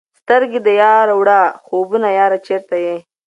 سترګي د یار وړه خوبونه یاره چیرته یې؟